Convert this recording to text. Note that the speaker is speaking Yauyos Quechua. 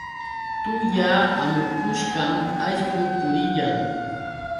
Tulla amukushqam allqu puriyan.